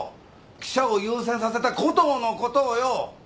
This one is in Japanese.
記者を優先させたコトーのことをよ。